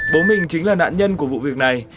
bố mình chính là nạn nhân của vụ việc này